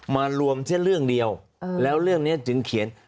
มารวมเสียเรื่องเดียวแล้วเรื่องนี้จึงเขียน